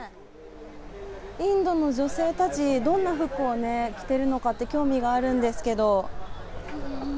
インドの女性たち、どんな服を着ているのか、興味があるんですけど。